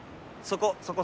そこ！